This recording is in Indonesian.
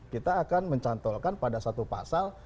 kita akan mencantolkan pada satu pasal